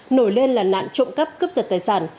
nổi lên là nạn trộm cắp cướp giật tài sản